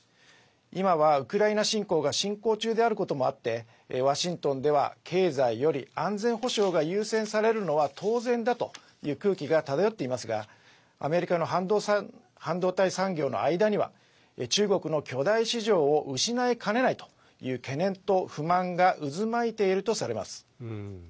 今はウクライナ侵攻が進行中であることもあってワシントンでは経済より安全保障が優先されるのは当然だという空気が漂っていますがアメリカの半導体産業の間には中国の巨大市場を失いかねないという懸念と不満が渦巻いているとされます。